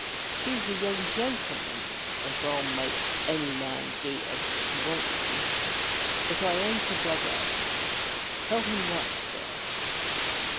He's a young gentleman as '11 make any man do as he wants 'em. But I ain't a blackguard. Tell him that, sir."